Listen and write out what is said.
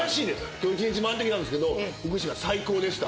今日一日回ってきたんですけど福島最高でした。